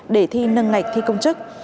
để thi nâng ngạch thi công chức